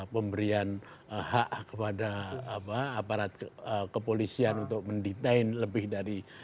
pemberian hak kepada aparat kepolisian untuk mendetain lebih dari